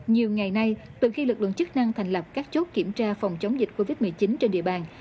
nhiều ngày nay từ khi lực lượng chức năng thành lập các chốt kiểm tra phòng chống dịch covid một mươi chín trên địa bàn